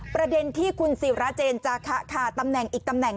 ประเด็นที่คุณศิราเจนจาคะค่ะตำแหน่งอีกตำแหน่ง